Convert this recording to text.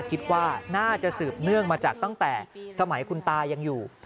คิดว่าน่าจะสืบเนื่องมาจากตั้งแต่สมัยคุณตายังอยู่